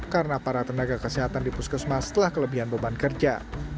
karena para tenaga kesehatan di puskesma setelah kelebihan beban kerja